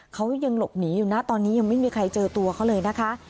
เขายังหลบหนีอยู่นะตอนนี้ยังไม่มีใครเจอตัวเขาเลยนะคะ